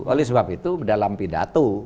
oleh sebab itu dalam pidato